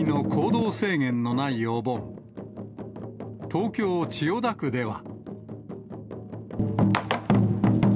東京・千代田区では。